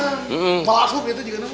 malah asup gitu juga namanya